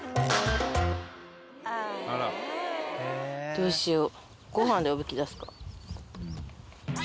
どうしよう。